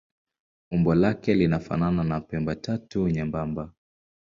Umbo lake linafanana na pembetatu nyembamba.